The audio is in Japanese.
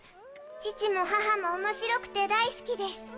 ちちもははも面白くて大好きです。